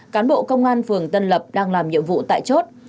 cán bộ công an phường tân lập đang làm nhiệm vụ tại chốt